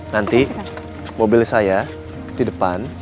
nanti mobil saya di depan